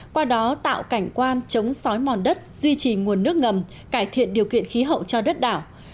qua đó tạo cảnh quan chống xói mòn đất duy trì nguồn nước ngầm cải thiện điều kiện khí hậu cho đất đảo